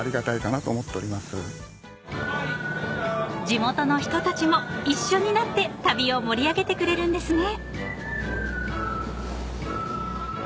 ［地元の人たちも一緒になって旅を盛り上げてくれるんですね］